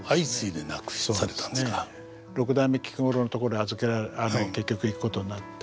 六代目菊五郎のところに結局行くことになって。